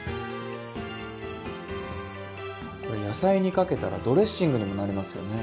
これ野菜にかけたらドレッシングにもなりますよね。